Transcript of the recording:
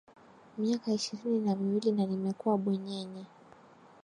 Miaka ishirini na miwili na nimekuwa bwenyenye